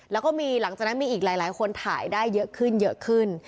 แล้วก็มีหลังจากนั้นมีอีกหลายคนถ่ายได้เยอะขึ้นเยอะขึ้น